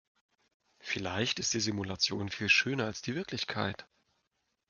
Vielleicht ist die Simulation viel schöner als die Wirklichkeit.